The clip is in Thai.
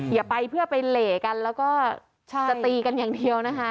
อย่าไปเพื่อไปเหล่กันแล้วก็จะตีกันอย่างเดียวนะคะ